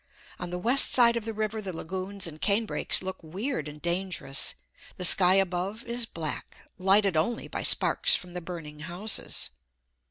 On the west side of the river the lagoons and cane brakes look weird and dangerous. The sky above is black, lighted only by sparks from the burning houses.